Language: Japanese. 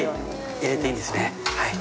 入れていいんですねはい。